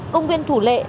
công viên thủ lệ